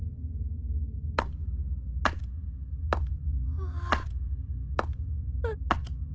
ああ。